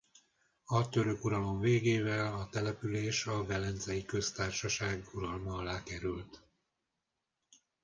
A török uralom végével a település a Velencei Köztársaság uralma alá került.